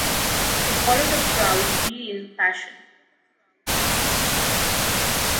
To follow the crowd/be in fashion.